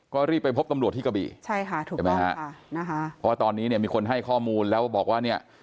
ก็รีบไปพบตำรวจที่กะบี่เพราะตอนนี้เนี่ยมีคนให้ข้อมูลแล้วบอกว่าเนี่ย